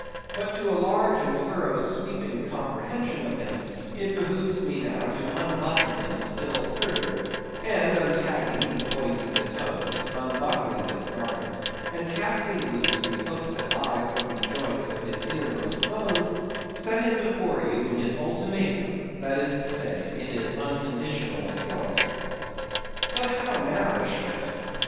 But to a large and thorough sweeping comprehension of him, it behooves me now to unbutton him still further, and untagging the points of his hose, unbuckling his garters, and casting loose the hooks and the eyes of the joints of his innermost bones, set him before you in his ultimatum; that is to say, in his unconditional skeleton. But how now, Ishmael?